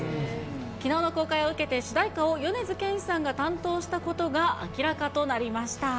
きのうの公開を受けて、主題歌を米津玄師さんが担当したことが明らかとなりました。